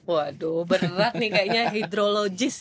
waduh berat nih kayaknya hidrologis